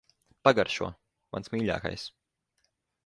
Pagaršo. Mans mīļākais.